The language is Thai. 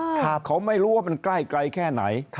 ขอบคุณครับเขาไม่รู้ว่ามันไกลแค่ไหน